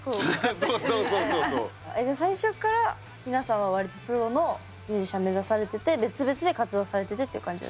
えじゃあ最初から皆さんは割とプロのミュージシャン目指されてて別々で活動されててっていう感じ？